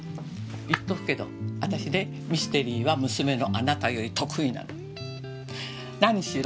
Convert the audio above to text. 言っとくけど私ねミステリーは娘のあなたより得意なの。なにしろ。